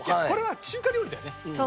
これは中華料理だよね。